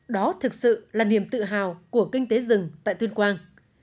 đó thực sự là niềm tự hào của kinh tế rừng tại tuyên quang